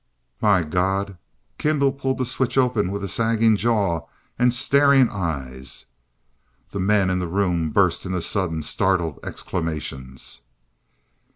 "My God!" Kendall pulled the switch open with a sagging jaw and staring eyes. The men in the room burst into sudden startled exclamations.